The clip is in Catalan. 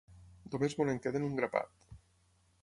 Només ens en queden un grapat.